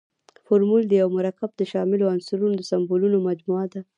فورمول د یوه مرکب د شاملو عنصرونو د سمبولونو مجموعه ده.